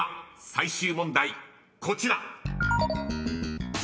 最終問題こちら］